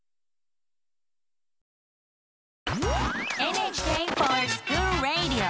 「ＮＨＫｆｏｒＳｃｈｏｏｌＲａｄｉｏ」！